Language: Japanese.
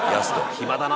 「暇だな」